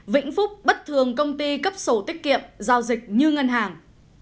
vĩnh phúc bất thường công ty cấp sổ tiết kiệm giao dịch như ngân hàng